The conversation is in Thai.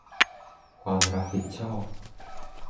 ความรับผิดชอบ